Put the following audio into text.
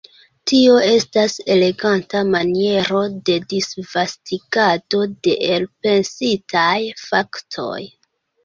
Tio estas eleganta maniero de disvastigado de elpensitaj faktoj.